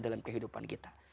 dalam kehidupan kita